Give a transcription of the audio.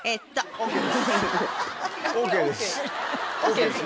ＯＫですね？